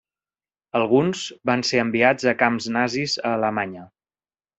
Alguns van ser enviats a camps nazis a Alemanya.